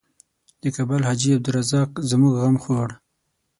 د کابل حاجي عبدالرزاق زموږ غم خوړ.